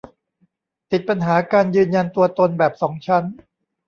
ติดปัญหาการยืนยันตัวตนแบบสองชั้น